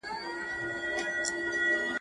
د ملک د مخه مه تېرېږه، د غاتري تر شا.